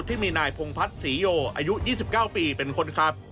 ที่มีนายพงพัฒน์ศรีโยอายุ๒๙ปีเป็นคนขับ